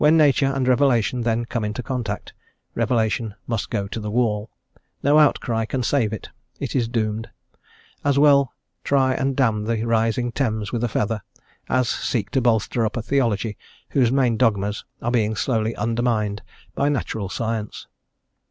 When nature and revelation then come into contact, revelation must go to the wall; no outcry can save it; it is doomed; as well try and dam the rising Thames with a feather, as seek to bolster up a theology whose main dogmas are being slowly undermined by natural science.